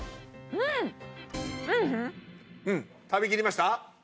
うん食べきりました？